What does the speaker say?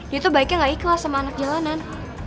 dia tuh baiknya gak ikhlas sama anak jalanan